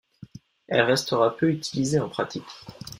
Elle restera peu utilisée en pratique.